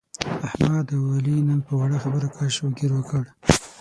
احمد او علي نن په وړه خبره کش او ګیر وکړ.